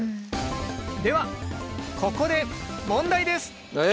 ではここで問題です。え？